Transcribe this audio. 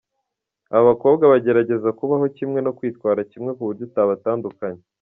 Aba bakobwa bagerageza kubaho kimwe no kwitwara kimwe kuburyo utabatandukanya.